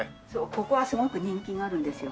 ここはすごく人気があるんですよ。